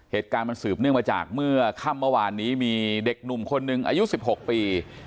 เหตุการณ์มันสืบเนื่องมาจากเมื่อค่ำเมื่อวานนี้มีเด็กหนุ่มคนหนึ่งอายุ๑๖ปี